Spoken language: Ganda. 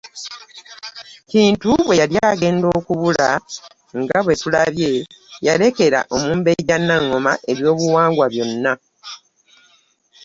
Kintu bwe yali agenda okubula nga bwe tulabye, yalekera Omumbejja Naŋŋoma ebyobuwangwa byonna.